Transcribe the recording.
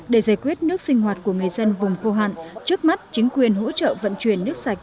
để giải quyết nước sinh hoạt của người dân vùng khô hạn trước mắt chính quyền hỗ trợ vận chuyển nước sạch